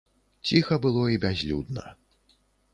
Ціха было і бязлюдна.